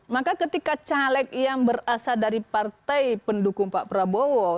maka ketika caleg yang berasal dari partai pendukung pak prabowo